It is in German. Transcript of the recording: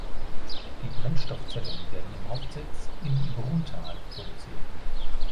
Die Brennstoffzellen werden im Hauptsitz in Brunnthal produziert.